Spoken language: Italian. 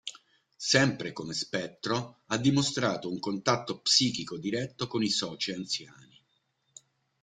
Sempre come spettro ha dimostrato un contatto psichico diretto con i Soci Anziani.